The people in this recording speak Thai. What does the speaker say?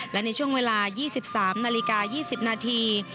และในช่วงเวลา๒๓นาฬิกา๒๐นาที